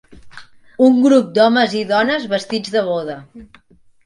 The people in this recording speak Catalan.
Un grup d'homes i dones vestits de boda.